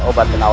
ular dumung raja